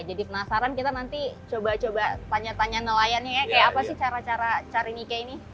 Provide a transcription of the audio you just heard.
jadi penasaran kita nanti coba coba tanya tanya nelayan nya ya kayak apa sih cara cara cari ike ini